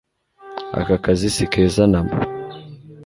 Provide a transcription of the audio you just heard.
akakazi si keza namba